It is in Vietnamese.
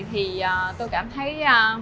thì tôi cảm thấy